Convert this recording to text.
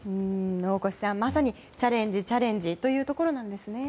大越さん、まさにチャレンジ、チャレンジというところですね。